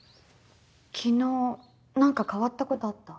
昨日何か変わったことあった？